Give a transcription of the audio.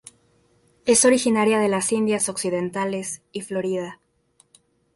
Es originaria de las Indias Occidentales y Florida.